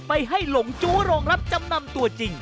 ไปให้หลงจู้โรงรับจำนำตัวจริง